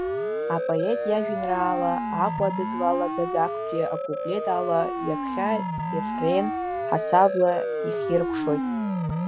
Апоет иажәеинраала Аҟәа дызлалагаз актәи акуплет ала ҩаԥхьа рефрен ҳасабла ихиркәшоит.